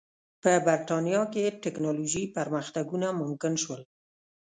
په برېټانیا کې ټکنالوژیکي پرمختګونه ممکن شول.